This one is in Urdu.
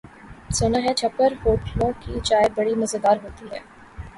سنا ہے چھپر ہوٹلوں کی چائے بڑی مزیدار ہوتی ہے۔